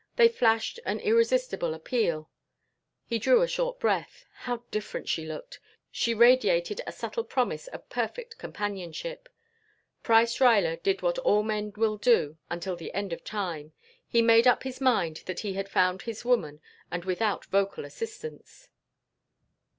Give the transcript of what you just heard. They flashed an irresistible appeal. He drew a short breath. How different she looked! She radiated a subtle promise of perfect companionship. Price Ruyler did what all men will do until the end of time. He made up his mind that he had found his woman and without vocal assistance.